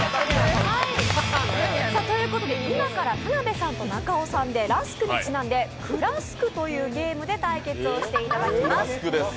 今から田辺さんと中尾さんでラスクにちなんでクラスクというゲームで対決をしていただきます。